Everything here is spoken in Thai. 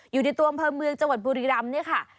อยู่ในตวงพระเมืองจังหวัดบุรีรำ